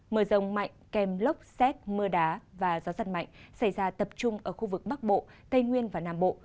mưa rông mạnh kèm lốc xét mưa đá và gió giật mạnh xảy ra tập trung ở khu vực bắc bộ tây nguyên và nam bộ